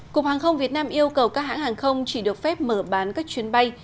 cục hàng không việt nam yêu cầu các hãng hàng không chỉ được phép mở bán các chuyến bay